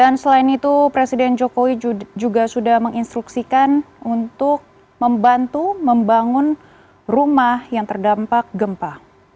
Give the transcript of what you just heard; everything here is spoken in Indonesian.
dan selain itu presiden jokowi juga sudah menginstruksikan untuk membantu membangun rumah yang terdampak gempa